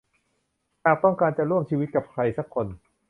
หากต้องการจะร่วมชีวิตกับใครสักคน